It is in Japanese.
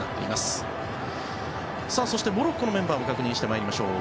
モロッコのメンバーも確認してまいりましょう。